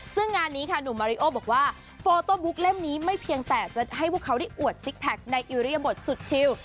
ซึ่งงานนี้ค่ะหนุ่มมาริโอบอกว่าโฟโต้บุ๊กเล่มนี้ไม่เพียงแต่จะให้พวกเขาได้อวดซิกแพคในอิริยบทสุดชิล